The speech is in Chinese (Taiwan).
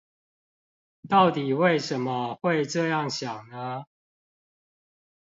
到底為什麼會這樣想呢？